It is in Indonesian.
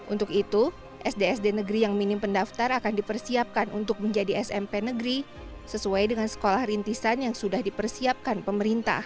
untuk itu sd sd negeri yang minim pendaftar akan dipersiapkan untuk menjadi smp negeri sesuai dengan sekolah rintisan yang sudah dipersiapkan pemerintah